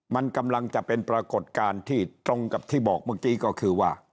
มันกำลังจะเป็นปรากฏการณ์ที่ตรงกับที่บอกเมื่อกี้ก็คือว่า